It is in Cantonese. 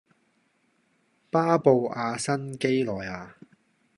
巴布亞新畿內亞